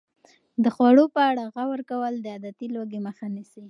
د خوړو په اړه غور کول د عادتي لوږې مخه نیسي.